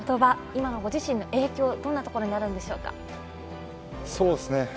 今のご自身への影響、どんなところにあるんでしょうか？